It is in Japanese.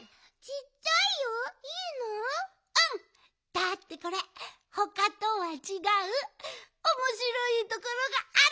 だってこれほかとはちがうおもしろいところがある！